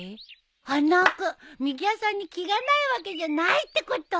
花輪君みぎわさんに気がないわけじゃないってこと！？